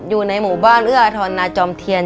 อยู่ในหมู่บ้านเอื้ออทรนาจอมเทียน